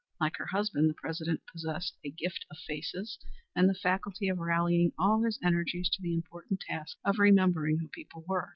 Like her husband, the President possessed a gift of faces and the faculty of rallying all his energies to the important task of remembering who people were.